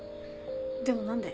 でも何で？